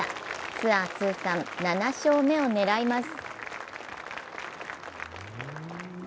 ツアー通算７勝目を狙います。